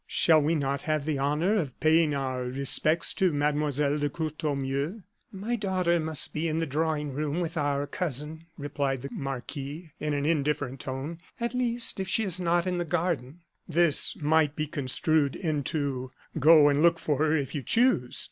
"Shall we not have the honor of paying our respects to Mademoiselle de Courtornieu?" "My daughter must be in the drawing room with our cousin," replied the marquis, in an indifferent tone; "at least, if she is not in the garden." This might be construed into, "Go and look for her if you choose."